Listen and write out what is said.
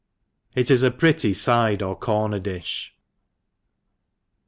— It is a pretty fide or corner di(h.